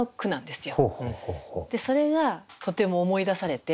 それがとても思い出されて。